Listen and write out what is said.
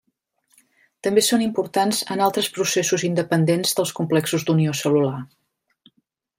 També són importants en altres processos independents dels complexos d'unió cel·lular.